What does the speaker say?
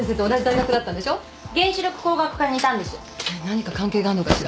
何か関係があんのかしら？